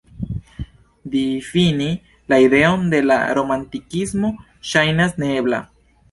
Difini la ideon de la romantikismo ŝajnas neebla.